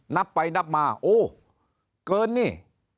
นับไปนับมาโอ้เกินนี่